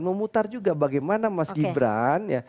memutar juga bagaimana mas gibran ya